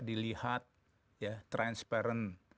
dilihat ya transparent